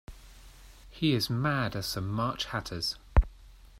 He is mad as some March hatters.